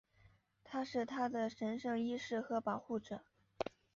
他是她的神圣医师和保护者。